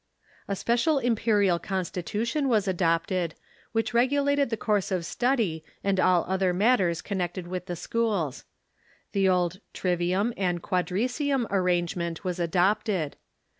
A special imperial constitution Avas adopted, which regulated the course of study and all other matters connected with the schools. The old trivium and quadrlvium arrangement was adopted.